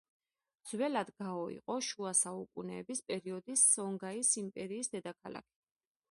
ძველად გაო იყო შუა საუკუნეების პერიოდის სონგაის იმპერიის დედაქალაქი.